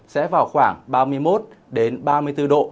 sẽ vào khoảng ba mươi một ba mươi bốn độ